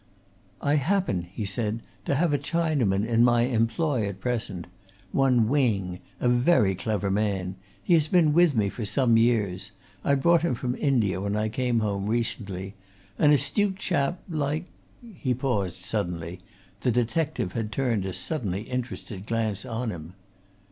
"I happen," he said, "to have a Chinaman in my employ at present one Wing, a very clever man. He has been with me for some years I brought him from India, when I came home recently. An astute chap, like " He paused suddenly; the detective had turned a suddenly interested glance on him.